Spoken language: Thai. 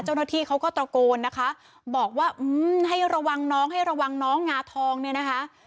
เจ้าหน้าที่เขาก็ตะโกนนะคะบอกว่าให้ระวังน้องให้ระวังน้องงาทองเนี่ยนะคะ